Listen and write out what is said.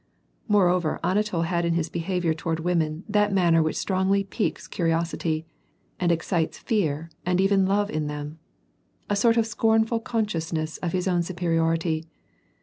Moreover, Anatol had in his behavior toward women tliat manner which strongly piques curiosity, and excites fear, and even love in them, — a sort of scornful consciousness of his own superiority.